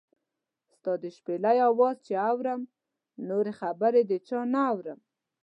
ستا د شپېلۍ اواز چې اورم، نورې خبرې د چا نۀ اورم